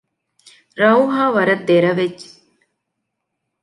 ރައުހާ ވަރަށް ދެރަވެއްޖެ